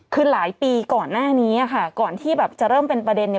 คือหลายปีก่อนหน้านี้อะค่ะก่อนที่แบบจะเริ่มเป็นประเด็นเนี่ย